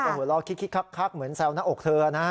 แล้วก็หัวเราะคิดคับเหมือนแซวหน้าอกเธอนะ